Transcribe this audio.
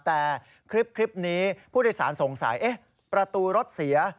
แต่คลิปนี้ผู้โดยสารสงสัยประตูรถเสีย